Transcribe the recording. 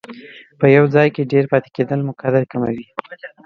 په یو ځای کې ډېر پاتې کېدل مو قدر کموي.